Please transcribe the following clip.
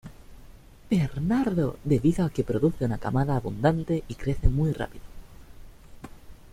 Bernardo, debido a que produce una camada abundante y crece muy rápido.